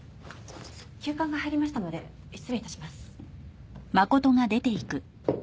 急患が入りましたので失礼致します。